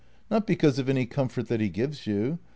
Not because of any comfort that he gives you.